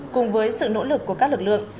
cùng với sự nỗ lực của các lực lượng